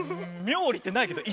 冥利ってないけど。